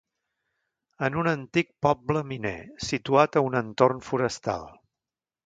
És un antic poble miner, situat a un entorn forestal.